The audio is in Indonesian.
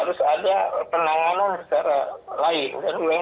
harus ada penanganan secara baik